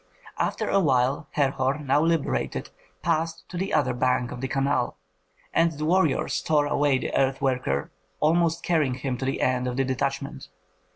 After a while Herhor, now liberated, passed to the other bank of the canal, and the warriors tore away the earth worker, almost carrying him to the end of the detachment.